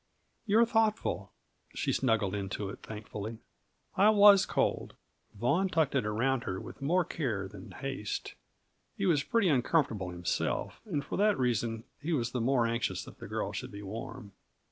"You're thoughtful." She snuggled into it thankfully. "I was cold." Vaughan tucked it around her with more care than haste. He was pretty uncomfortable himself, and for that reason he was the more anxious that the girl should be warm.